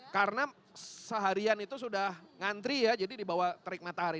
karena seharian itu sudah ngantri ya jadi dibawa terik matahari